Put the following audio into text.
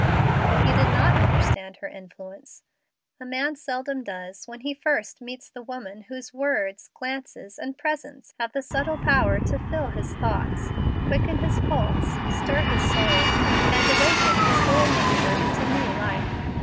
But he did not understand her influence. A man seldom does when he first meets the woman whose words, glances, and presence have the subtle power to fill his thoughts, quicken his pulse, stir his soul, and awaken his whole nature into new life.